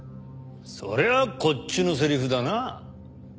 そりゃこっちのセリフだなあ。